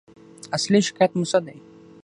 اصلي شکایت مو څه دی؟